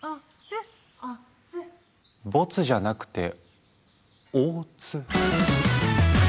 ボツじゃなくてＯ。